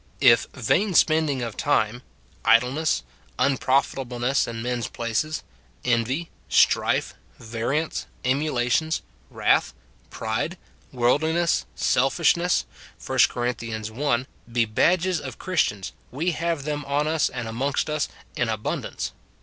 If vain spending of time, idleness, unprofitableness in men's places, envy, strife, variance, emulations, wrath, 164 MOKTIFICATION OF pride, worldliness, selfishness, 1 Cor. i., be badges of Christians, we have them on us and amongst us in abund ance.